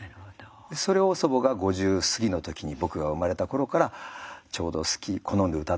それを祖母が５０過ぎの時に僕が生まれた頃からちょうどすき好んでうたっていたので。